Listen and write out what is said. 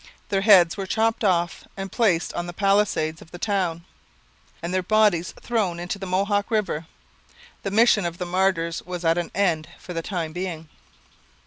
Their heads were chopped off and placed on the palisades of the town, and their bodies thrown into the Mohawk river. The Mission of the Martyrs was at an end for the time being.